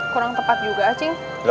kurang tepat juga cing